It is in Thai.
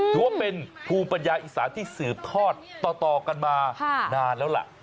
ถือว่าเป็นภูมิปัญญาอีสานที่สืบทอดต่อกันมานานแล้วล่ะ